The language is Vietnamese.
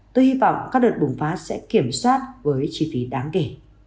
tôi hy vọng các đợt bùng phát sẽ kiểm soát với chi phí đáng kể